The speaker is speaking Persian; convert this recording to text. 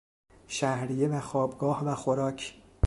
شهریه و خوابگاه و خوراک